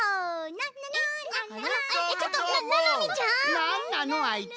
なんなのあいつ。